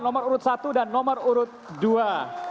nomor urut satu dan nomor urut dua